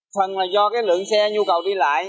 phần là do lượng xe nhu cầu đi lại